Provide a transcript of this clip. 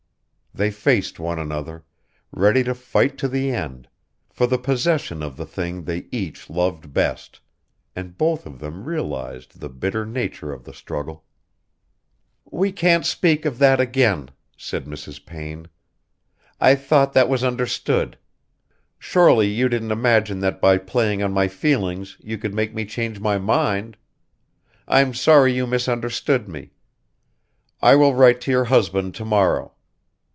They faced one another, ready to fight to the end, for the possession of the thing they each loved best, and both of them realized the bitter nature of the struggle. "We can't speak of that again," said Mrs. Payne. "I thought that was understood. Surely you didn't imagine that by playing on my feelings you could make me change my mind? I'm sorry you misunderstood me. I will write to your husband to morrow.